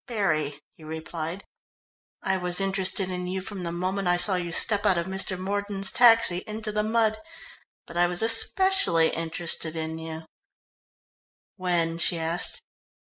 "Very," he replied. "I was interested in you from the moment I saw you step out of Mr. Mordon's taxi into the mud, but I was especially interested in you " "When?" she asked.